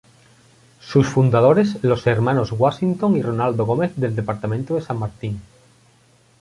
Sus fundadores los hermanos Washington y Rolando Gómez del Departamento de San Martín.